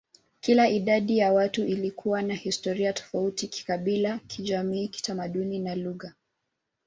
Kila idadi ya watu ilikuwa na historia tofauti kikabila, kijamii, kitamaduni, na lugha.